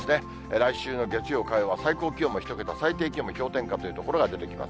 来週の月曜、火曜は最高気温も１桁、最低気温も氷点下という所が出てきます。